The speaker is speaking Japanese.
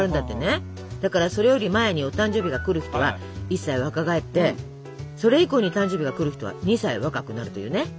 だからそれより前にお誕生日が来る人は１歳若返ってそれ以降に誕生日が来る人は２歳若くなるというね。